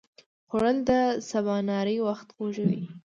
خوړل د سباناري وخت خوږوي